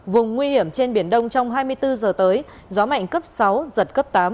vùng nguy hiểm trên biển đông trong hai mươi bốn giờ tới gió mạnh cấp sáu giật cấp tám